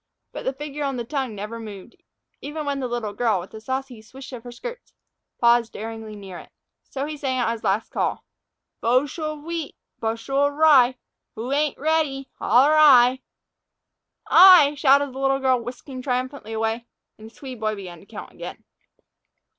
But the figure on the tongue never moved, even when the little girl, with a saucy swish of her skirts, paused daringly near it. So he sang out his last call: "Boshel of wheat, boshel of raye, Who ain't radey, holer 'Ay.'" "I," shouted the little girl, whisking triumphantly away, and the Swede boy began to count again.